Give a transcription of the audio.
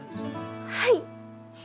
はい！